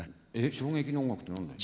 衝撃の音楽って何だよ。